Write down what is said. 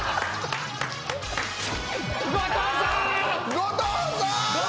後藤さん！